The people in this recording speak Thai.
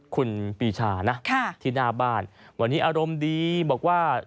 คุณปีชานะที่หน้าบ้านวันนี้อารมณ์ดีบอกว่า